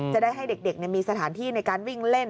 จะได้ให้เด็กมีสถานที่ในการวิ่งเล่น